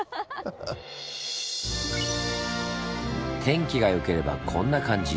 天気が良ければこんな感じ。